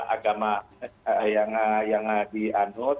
agama yang dianut